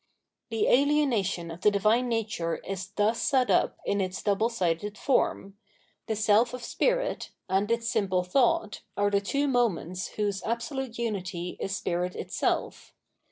The ahenation of the Divine Nature is thus set up in its double sided form : the self of Spirit, and its simple thought, are the two moments whose absolute unity is Spirit itself.